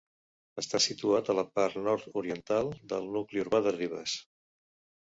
Està situat a la part nord-oriental del nucli urbà de Ribes.